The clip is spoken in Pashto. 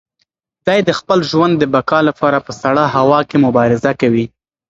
دی د خپل ژوند د بقا لپاره په سړه هوا کې مبارزه کوي.